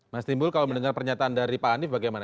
mas timbul kalau mendengar pernyataan dari pak anies bagaimana